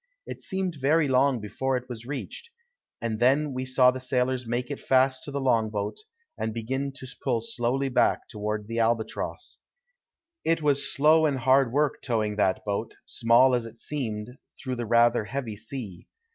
It seemed very long before it was reached, and then we saw the sailors make it fast to the long boat and begin to pull slowly back toward the Albatross. It was slow and hard work towing that boat, small as it seemed, through the rather heavy sea.